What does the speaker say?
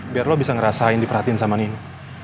biar lo bisa ngerasain diperhatiin sama nini